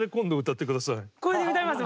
これで歌います！